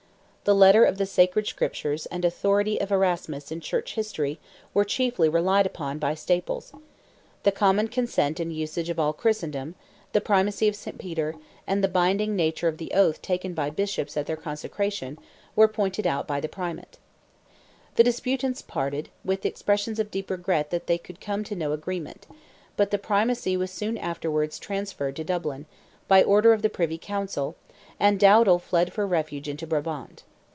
The letter of the Sacred Scriptures and the authority of Erasmus in Church History were chiefly relied upon by Staples; the common consent and usage of all Christendom, the primacy of Saint Peter, and the binding nature of the oath taken by Bishops at their consecration, were pointed out by the Primate. The disputants parted, with expressions of deep regret that they could come to no agreement; but the Primacy was soon afterwards transferred to Dublin, by order of the Privy Council, and Dowdal fled for refuge into Brabant.